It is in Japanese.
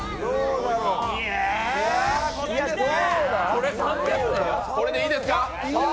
これでいいですか？